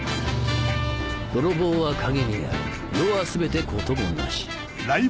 泥棒は影にあり世は全て事もなし。